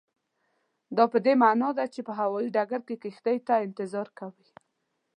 دا پدې معنا ده چې په هوایي ډګر کې کښتۍ ته انتظار کوئ.